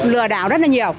lừa đảo rất là nhiều